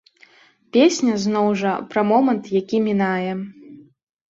Песня, зноў жа, пра момант, які мінае.